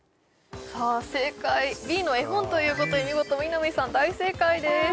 正解Ｂの絵本ということで見事南さん大正解です